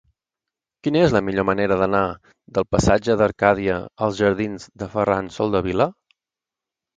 Quina és la millor manera d'anar del passatge d'Arcadia als jardins de Ferran Soldevila?